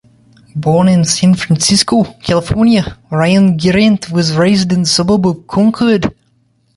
Born in San Francisco, California, Ryanen-Grant was raised in the suburb of Concord.